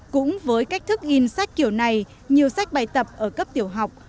cũng với cách thức in sách kiểu này nhiều sách bài tập ở cấp tiểu học